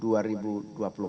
koalisi inti sudah membentuk